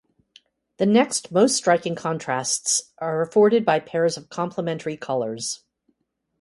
The next most striking contrasts are afforded by pairs of complementary colors.